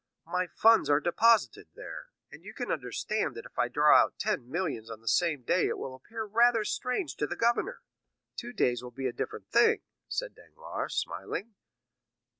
My funds are deposited there, and you can understand that if I draw out ten millions on the same day it will appear rather strange to the governor. Two days will be a different thing," said Danglars, smiling.